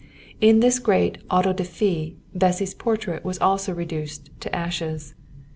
In this great auto da fé Bessy's portrait was also reduced to ashes.